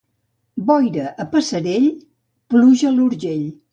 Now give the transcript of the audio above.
Boira a Passerell, pluja a l'Urgell.